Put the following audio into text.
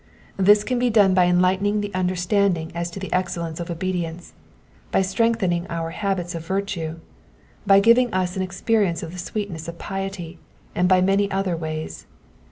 This can be done by enlightening the understanding as to the excellence of obedience, by strengthening our habits of virtue, by giving us an experience of the sweetness of piety, and by many other ways.